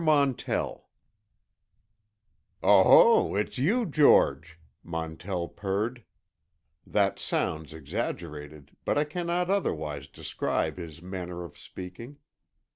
MONTELL "Oho, it's you George," Montell purred—that sounds exaggerated, but I cannot otherwise describe his manner of speaking.